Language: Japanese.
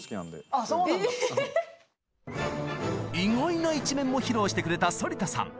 意外な一面も披露してくれた反田さん。